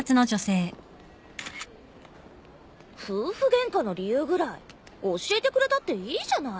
夫婦ゲンカの理由ぐらい教えてくれたっていいじゃない。